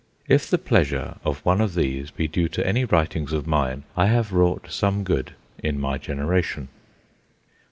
If the pleasure of one of these be due to any writings of mine, I have wrought some good in my generation."